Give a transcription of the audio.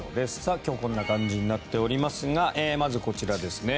今日はこんな感じになっておりますがまずこちらですね。